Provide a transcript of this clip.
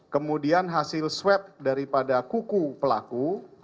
kemudian hasil swab daripada kuku pelaku